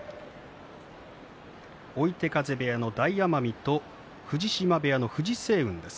追手風部屋の大奄美と藤島部屋の藤青雲です。